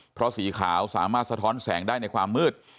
เพราะสีขาวสามารถสะท้อนแสงได้ในความมืด